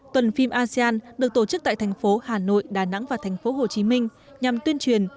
tuần phim asean được tổ chức tại thành phố hà nội đà nẵng và thành phố hồ chí minh nhằm tuyên truyền